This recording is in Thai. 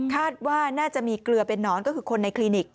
คาดว่าน่าจะมีเกลือเป็นนอนก็คือคนในคลินิก